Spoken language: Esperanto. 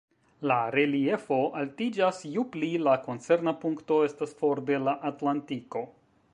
La reliefo altiĝas ju pli la koncerna punkto estas for de la atlantiko.